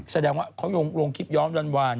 แสดงว่าเขาลงคลิปย้อมลาวาน